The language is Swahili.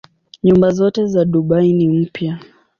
Nyumba zote za Dubai ni mpya.